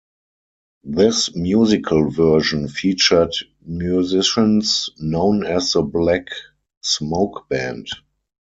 This musical version featured musicians known as the Black Smoke Band.